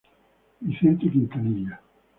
Vicente Quintanilla.